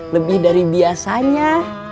lebih dari biasanya